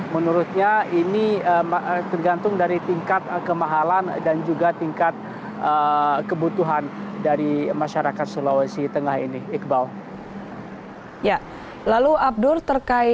menurutnya ini tergantung dari tingkat kemahalan dan juga tingkat kebutuhan dari masyarakat sulawesi